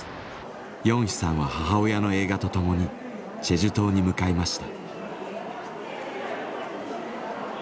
ヨンヒさんは母親の映画とともにチェジュ島に向かいました。